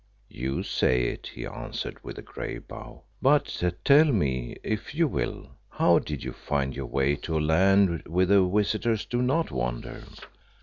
"You say it," he answered with a grave bow; "but tell me, if you will, how did you find your way to a land whither visitors do not wander?"